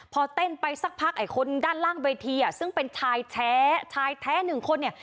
พอเต้นไปสักพักไอ้คนด้านล่างเวทีอ่ะซึ่งเป็นชายแท้ชายแท้หนึ่งคนเนี่ย